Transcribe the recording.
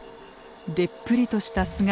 でっぷりとした姿。